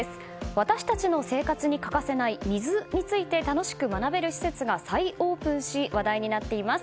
私たちの生活に欠かせない水について楽しく学べる施設が再オープンし話題になっています。